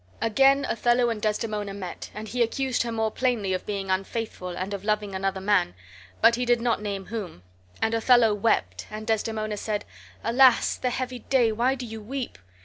Again Othello and Desdemona met, and he accused her more plainly of being unfaithful and of loving another man, but he did not name whom. And Othello wept, and Desdemona said, "Alas! the heavy day! why do you weep?"